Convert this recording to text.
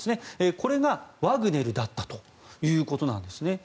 これがワグネルだったということなんですね。